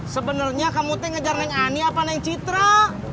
sebenernya kamu tuh ngejar neng ani apa neng citra